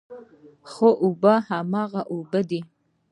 خو اوبه هماغه اوبه دي.